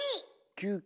休憩。